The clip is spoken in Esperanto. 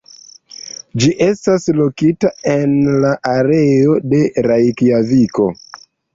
Ĝi estas lokita en la areo de Rejkjaviko.